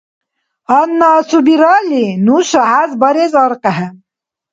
Гьанна асубиралли нуша хӀяз барес аркьехӀе.